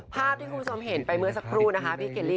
ภาพที่คุณผู้ชมเห็นไปเมื่อสักครู่นะคะพี่เคลลี่